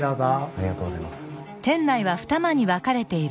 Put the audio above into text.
ありがとうございます。